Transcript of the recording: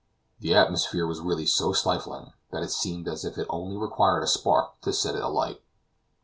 The atmosphere was really so stifling, that it seemed as if it only required a spark to set it alight.